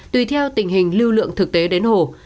tùy theo tình hình lưu lượng thực tế đến hồ